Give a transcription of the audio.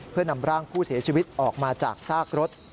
เพื่อนำร่างผู้เสียชีวิตออกมาจากซากรถ